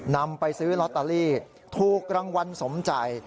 นำไปซื้อลอตเตอรี่ถูกรางวัลสมใจ